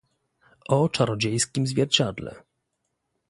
"O czarodziejskiem zwierciadle."